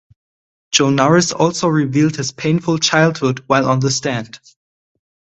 Jonaris also revealed his painful childhood while on the stand.